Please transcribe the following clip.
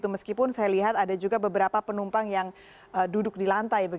meskipun saya lihat ada juga beberapa penumpang yang duduk di lantai